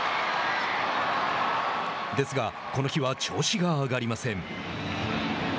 ですが、この日は調子が上がりません。